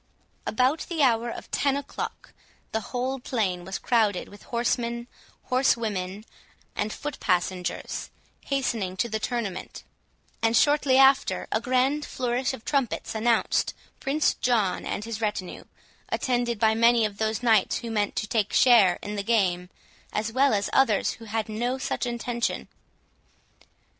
About the hour of ten o'clock, the whole plain was crowded with horsemen, horsewomen, and foot passengers, hastening to the tournament; and shortly after, a grand flourish of trumpets announced Prince John and his retinue, attended by many of those knights who meant to take share in the game, as well as others who had no such intention.